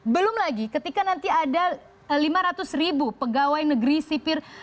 belum lagi ketika nanti ada lima ratus ribu pegawai negeri sipir